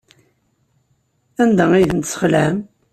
Anda ay tent-tesxelɛem?